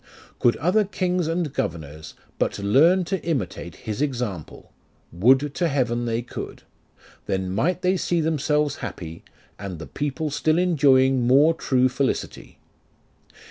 Could other kings and governors But learn to imitate his example, (Would to heaven they could !) Then might they see themselves happy, And the people still enjoying more true felicity.